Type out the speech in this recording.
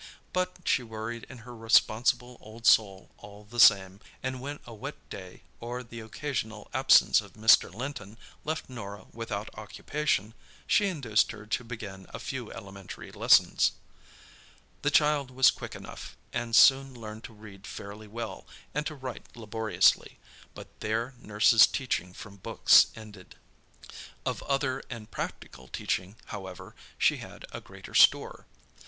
But she worried in her responsible old soul all the same; and when a wet day or the occasional absence of Mr. Linton left Norah without occupation, she induced her to begin a few elementary lessons. The child was quick enough, and soon learned to read fairly well and to write laboriously; but there nurse's teaching from books ended. Of other and practical teaching, however, she had a greater store. Mr.